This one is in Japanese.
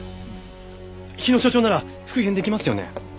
日野所長なら復元できますよね？